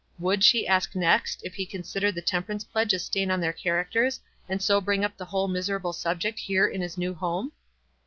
Would she ask next if he considered the tem perance pledge a stain on their characters, and so bring up the whole miserable subject here in his new home